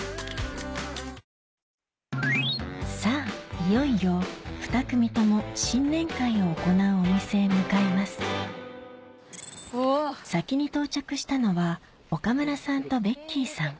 いよいよ２組とも新年会を行うお店へ向かいます先に到着したのは岡村さんとベッキーさん